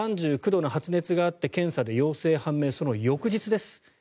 ３９度の発熱があって検査で陽性が判明するのがその翌日です。